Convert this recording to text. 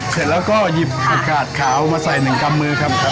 เสร็จแล้วก็หยิบอากาศขาวมาใส่หนึ่งกำมือครับ